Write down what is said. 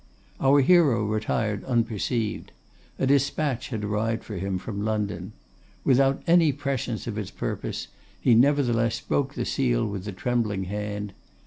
Our hero retired unperceived. A despatch had arrived for him from London. Without any prescience of its purpose, he nevertheless broke the seal with a trembling hand.